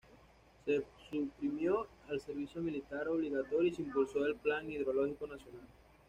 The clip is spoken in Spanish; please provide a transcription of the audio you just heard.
Se suprimió el servicio militar obligatorio y se impulsó el Plan Hidrológico Nacional.